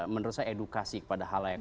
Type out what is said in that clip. menurut saya edukasi kepada hal lain